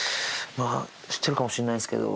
知ってるかもしれないですけど。